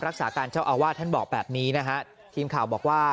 รักษาการเจ้าอาวาสท่านบอกแบบนี้นะฮะ